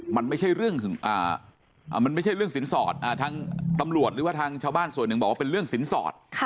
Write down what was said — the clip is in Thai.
มันไม่ใช่เรื่องมันไม่ใช่เรื่องสินสอดทางตำรวจหรือว่าทางชาวบ้านส่วนหนึ่งบอกว่าเป็นเรื่องสินสอด